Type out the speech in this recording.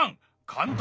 監督